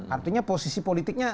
artinya posisi politiknya